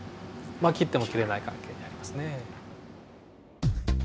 まあ切っても切れない関係にありますね。